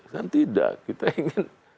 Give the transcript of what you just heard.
kan tidak kita ingin